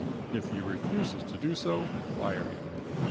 If he refuses to do so, fire him.